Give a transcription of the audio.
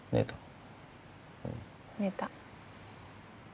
寝た。